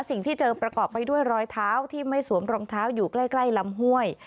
สิ่งที่เจอประกอบไปด้วยรอยเท้าที่ไม่สวมรองเท้าอยู่ใกล้ลำห้วย